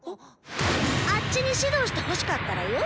あッチに指導してほしかったらよ